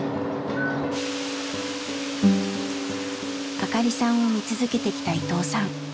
明香里さんを見続けてきた伊藤さん。